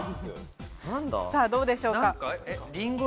どうでしょうか？